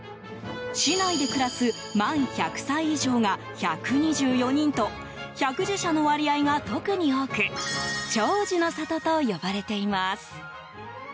市内で暮らす満１００歳以上が１２４人と百寿者の割合が特に多く長寿の里と呼ばれています。